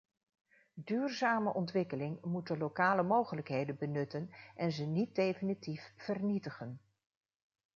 Duurzame ontwikkeling moet de lokale mogelijkheden benutten en ze niet definitief vernietigen.